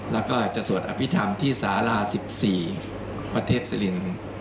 และก็จะสวดอภิษฐที่สาร๑๔วัทเทพศิลป์